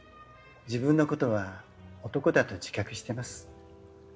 自分のことは男だと自覚してます。